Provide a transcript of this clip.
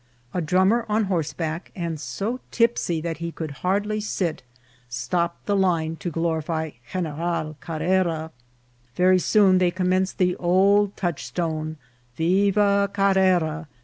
A drummer on horseback, and so tipsy that he could hardly sit, stopped the line to glorify Gen eral Carrera. Very soon they commenced the old touchstone, " Viva Carrera